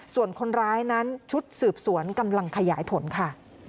ส่วนคนร้ายนั้นชุดสืบสวนกำลังขยายผลค่ะ